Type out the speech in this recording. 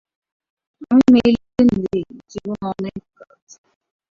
আমি Meilin Lee, জীবনে অনেক কাজ।